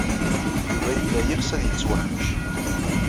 Yuba yella yeɣs ad yettwaḥmec.